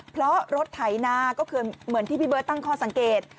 เพราะรถไถนาก็คือเหมือนที่พี่เบิร์ตตั้งข้อสังเกต